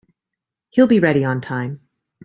He'll be ready on time.